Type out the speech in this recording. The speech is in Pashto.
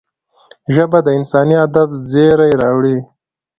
ژبه د انساني ادب زېری راوړي